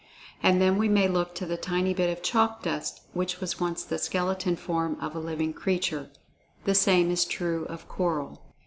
And then we may look to the tiny bit of chalk dust which was once the skeleton form of a living creature. The same is true of coral.